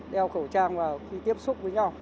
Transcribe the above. đeo khẩu trang và đi tiếp xúc với nhau